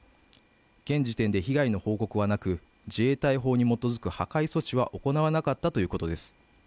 現時点で被害の報告はなく自衛隊法に基づく破壊措置は行わなかったということです